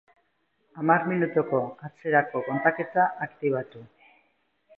Hamar minutuko atzerako kontaketa aktibatu